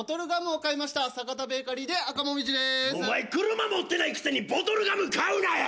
お前車持ってないくせにボトルガム買うなや！